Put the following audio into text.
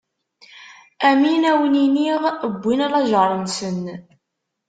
Amin, ad wen-iniɣ: Wwin lajeṛ-nsen.